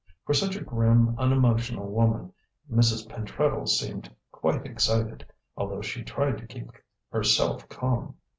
For such a grim, unemotional woman, Mrs. Pentreddle seemed quite excited, although she tried to keep herself calm.